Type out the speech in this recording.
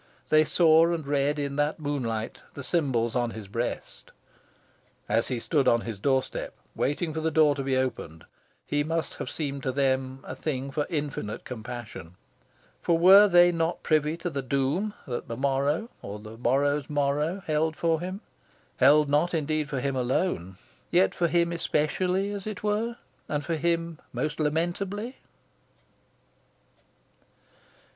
They saw and read in that moonlight the symbols on his breast. As he stood on his doorstep, waiting for the door to be opened, he must have seemed to them a thing for infinite compassion. For were they not privy to the doom that the morrow, or the morrow's morrow, held for him held not indeed for him alone, yet for him especially, as it were, and for him most lamentably?